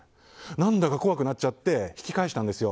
何だか怖くなっちゃって引き返したんですよ。